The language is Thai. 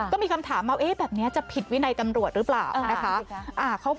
ก็มีคำถามเอาแบบนี้จะผิดวินัยตำรวจหรือเปล่านะคะ